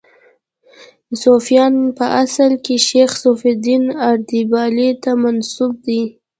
صفویان په اصل کې شیخ صفي الدین اردبیلي ته منسوب دي.